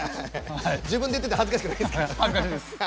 自分で言っててはずかしくないですか？